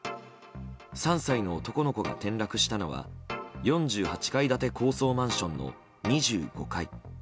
３歳の男の子が転落したのは４８階建て高層マンションの２５階。